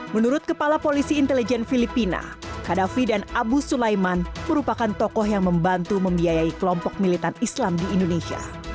menurut kepala polisi intelijen filipina kadafi dan abu sulaiman merupakan tokoh yang membantu membiayai kelompok militan islam di indonesia